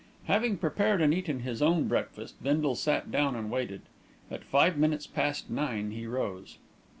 Having prepared and eaten his own breakfast, Bindle sat down and waited. At five minutes past nine he rose.